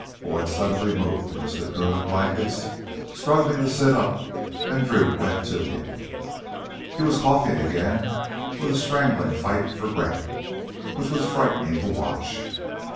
Boyd suddenly moved in his cocoon of blankets, struggling to sit up, and Drew went to him. He was coughing again with a strangling fight for breath which was frightening to watch.